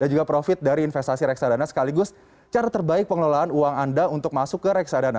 dan juga profit dari investasi reksadana sekaligus cara terbaik pengelolaan uang anda untuk masuk ke reksadana